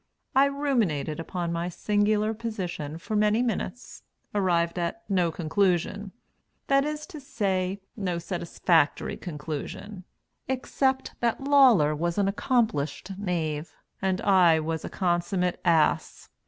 I ruminated upon my singular position for many minutes, arrived at no conclusion that is to say, no satisfactory conclusion, except that Lawler was an accomplished knave and I was a consummate ass.